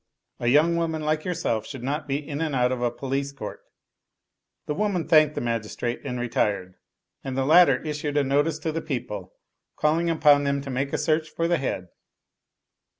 A young woman like yourself should not be in and out of a police court." The woman thanked the magistrate and retired ; and the latter issued a notice to the people, calling upon them to make a search for the head.